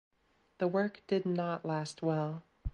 The work did not last well.